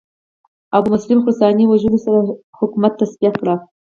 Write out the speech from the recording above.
ابومسلم خراساني وژلو سره حکومت تصفیه کړ